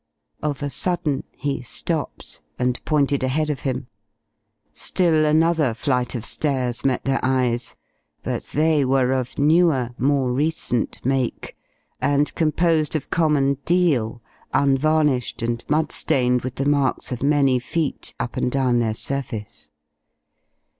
Of a sudden he stopped and pointed ahead of him. Still another flight of stairs met their eyes, but they were of newer, more recent make, and composed of common deal, unvarnished and mudstained with the marks of many feet up and down their surface.